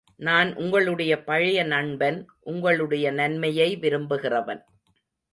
நான் உங்களுடைய பழைய நண்பன், உங்களுடைய நன்மையை விரும்புகிறவன்.